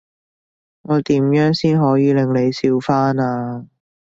我點樣先可以令你笑返呀？